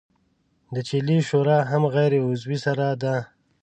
د چیلې شوره هم غیر عضوي سره ده.